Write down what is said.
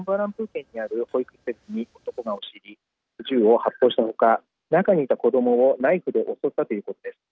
県にある保育施設に男が押し入り、銃を発砲した他中にいた子どもをナイフで襲ったということです。